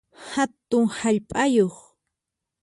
Hatun hallp'ayuq